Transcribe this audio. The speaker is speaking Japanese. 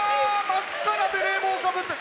真っ赤なベレー帽かぶって。